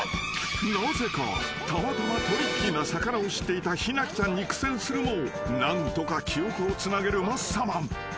［なぜかたまたまトリッキーな魚を知っていたひなきちゃんに苦戦するも何とか記憶をつなげるマッサマン］